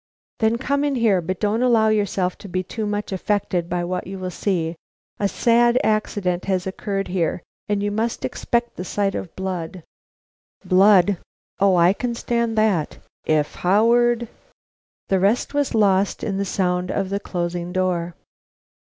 "Then come in here. But don't allow yourself to be too much affected by what you will see. A sad accident has occurred here, and you must expect the sight of blood." "Blood! Oh, I can stand that, if Howard " The rest was lost in the sound of the closing door.